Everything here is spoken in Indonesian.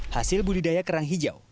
hasil buli daya kerang hijau